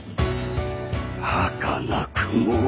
はかなくも。